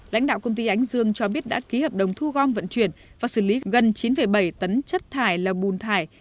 lãnh đạo công ty ánh dương cho biết đã ký hợp đồng thu gom vận chuyển và xử lý gần chín bảy tấn chất thải là bùn thải